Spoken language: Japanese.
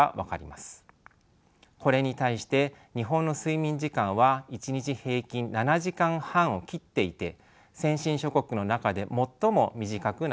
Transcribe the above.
これに対して日本の睡眠時間は１日平均７時間半を切っていて先進諸国の中で最も短くなっています。